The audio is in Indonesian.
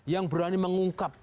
yang berani mengungkap